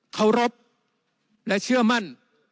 เคารพและเชื่อมั่น